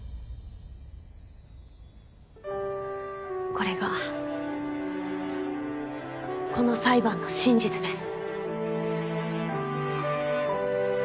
これがこの裁判の真実です。